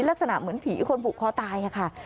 ลักษณะเหมือนผีคนผูกคอตายค่ะ